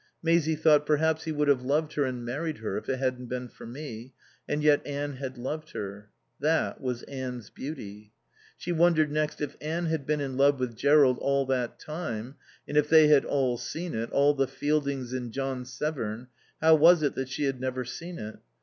Maisie thought: Perhaps he would have loved her and married her if it hadn't been for me. And yet Anne had loved her. That was Anne's beauty. She wondered next: If Anne had been in love with Jerrold all that time, and if they had all seen it, all the Fieldings and John Severn, how was it that she had never seen it?